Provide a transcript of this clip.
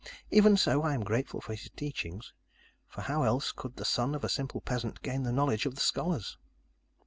Even so, I am grateful for his teachings, for how else could the son of a simple peasant gain the knowledge of the scholars?